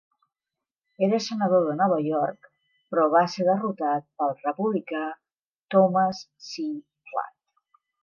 Era senador de Nova York, però va ser derrotat pel republicà Thomas C. Platt.